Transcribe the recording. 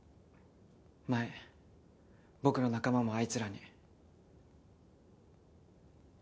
前僕の仲間もあいつらに。